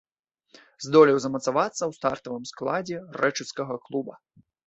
Здолеў замацавацца ў стартавым складзе рэчыцкага клуба.